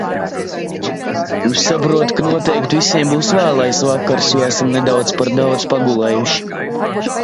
Saprotu, ka noteikti visiem būs vēlais vakars, jo esam nedaudz par daudz pagulējuši.